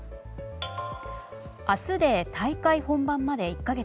明日で大会本番まで１か月。